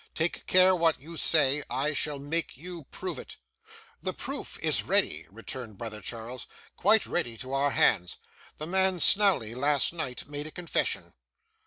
Take care what you say; I shall make you prove it.' 'The proof is ready,' returned brother Charles, 'quite ready to our hands. The man Snawley, last night, made a confession.